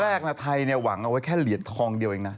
แต่ตอนแรกไทยเนี่ยหวังแค่เอาไว้เหลียนทองเดียวเองนะ